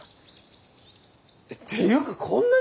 っていうかこんなに！？